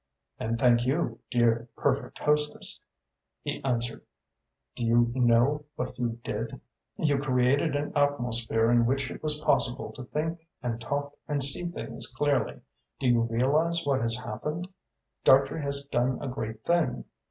"And thank you, dear perfect hostess," he answered. "Do you know what you did? You created an atmosphere in which it was possible to think and talk and see things clearly. Do you realise what has happened? Dartrey has done a great thing.